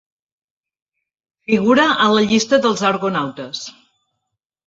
Figura en la llista dels argonautes.